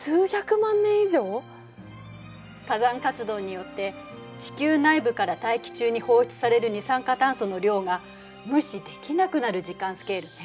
火山活動によって地球内部から大気中に放出される二酸化炭素の量が無視できなくなる時間スケールね。